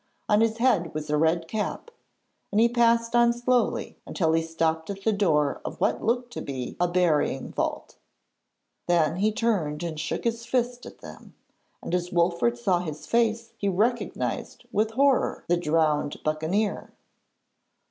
On his head was a red cap, and he passed on slowly until he stopped at the door of what looked to be a burying vault. Then he turned and shook his fist at them, and as Wolfert saw his face he recognised with horror the drowned buccaneer.